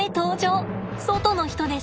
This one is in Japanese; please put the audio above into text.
外の人です。